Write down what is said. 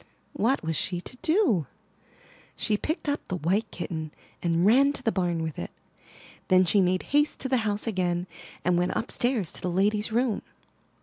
What was she to do? She picked up the white 182 I N THE NURSERY kitten, and ran to the barn with it. Then she made haste to the house again, and went upstairs to the lady's room.